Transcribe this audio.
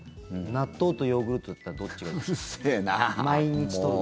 納豆とヨーグルトだったらどっちがいいですか。